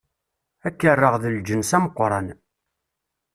Ad k-rreɣ d lǧens ameqran.